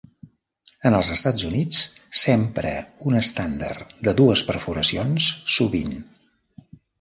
En els Estats Units s'empra un estàndard de dues perforacions sovint.